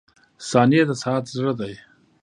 • ثانیې د ساعت زړه دی.